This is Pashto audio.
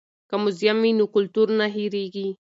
که موزیم وي نو کلتور نه هیریږي.